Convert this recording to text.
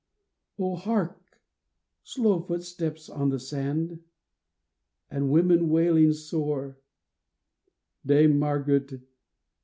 Oh, hark ! slow footsteps on the sand, And women wailing sore :" Dame Margaret